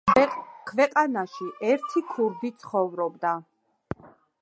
ქვეყანაში ერთი ქურდი ცხოვრობდა